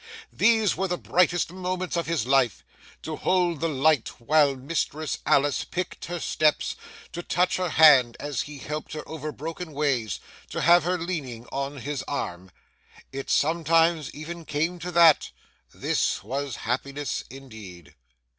These were the brightest moments of his life. To hold the light while Mistress Alice picked her steps, to touch her hand as he helped her over broken ways, to have her leaning on his arm,—it sometimes even came to that,—this was happiness indeed!